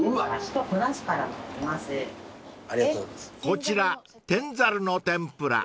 ［こちら天ざるの天ぷら］